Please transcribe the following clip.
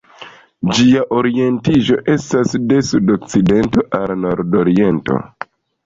Ĝia orientiĝo estas de sudokcidento al nordoriento.